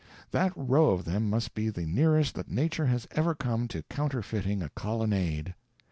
That row of them must be the nearest that nature has ever come to counterfeiting a colonnade.